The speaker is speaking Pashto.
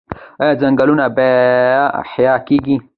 آیا ځنګلونه بیا احیا کیږي؟